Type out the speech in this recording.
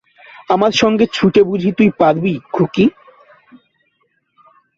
আমার সঙ্গে ছুটে বুঝি তুই পারবি, খুকি?